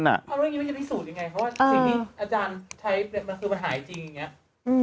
เพราะว่าสิ่งที่อาจารย์ใช้เป็นคือมันหายจริงอย่างนี้